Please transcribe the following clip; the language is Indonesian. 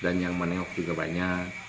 dan yang meningok juga banyak